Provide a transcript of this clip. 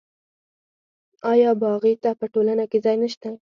آیا باغي ته په ټولنه کې ځای نشته؟